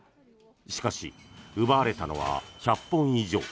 しかし、奪われたのは１００本以上。